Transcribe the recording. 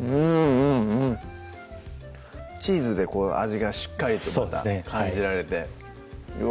うんうんうんチーズで味がしっかりとまた感じられてうわ